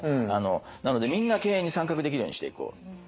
なのでみんな経営に参画できるようにしていこう。